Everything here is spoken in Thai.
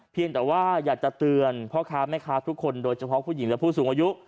เพียงแต่ว่าอยากจะเตือนพ่อค้าแม่ค้าทุกคนโดยเฉพาะผู้หญิงและผู้สูงอายุ